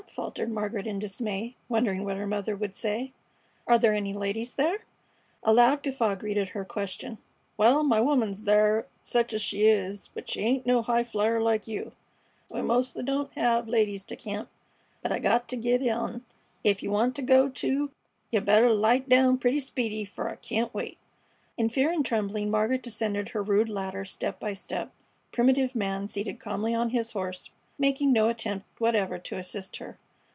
faltered Margaret in dismay, wondering what her mother would say. "Are there any ladies there?" A loud guffaw greeted her question. "Wal, my woman's thar, sech es she is; but she ain't no highflier like you. We mostly don't hev ladies to camp, But I got t' git on. Ef you want to go too, you better light down pretty speedy, fer I can't wait." In fear and trembling Margaret descended her rude ladder step by step, primitive man seated calmly on his horse, making no attempt whatever to assist her.